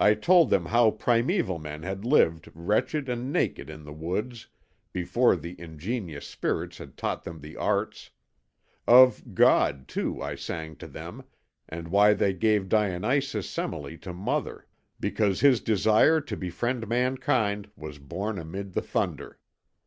I told them how primeval men had lived wretched and naked in the woods, before the ingenious spirits had taught them the arts; of God, too, I sang to them, and why they gave Dionysus Semele to mother, because his desire to befriend mankind was born amid the thunder.